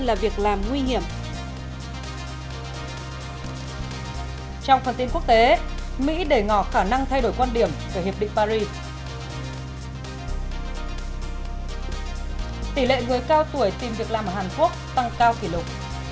tỷ lệ người cao tuổi tìm việc làm ở hàn quốc tăng cao kỷ lục